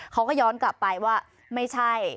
เขาก็ย้อนกลับไปว่าไม่ใช่